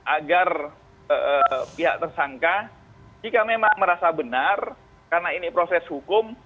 agar pihak tersangka jika memang merasa benar karena ini proses hukum